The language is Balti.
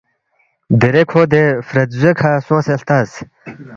دیرے کھو کُلے دے فرید زدوے کھہ سونگسے ہلتس